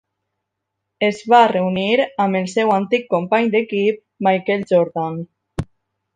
Es va reunir amb el seu antic company d'equip, Michael Jordan.